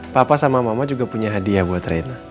papa sama mama juga punya hadiah buat reina